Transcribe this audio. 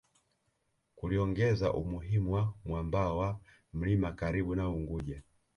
Kuliongeza umuhimu wa mwambao wa mlima karibu na Unguja